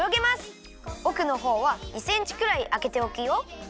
おくのほうは２センチくらいあけておくよ。